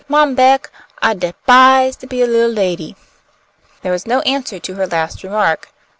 Mom Beck, I de'pise to be a little lady." There was no answer to her last remark.